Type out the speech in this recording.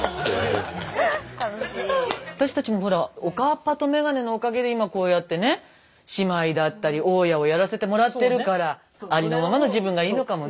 私たちもほらおかっぱと眼鏡のおかげで今こうやってね姉妹だったり大家をやらせてもらってるからありのままの自分がいいのかもね。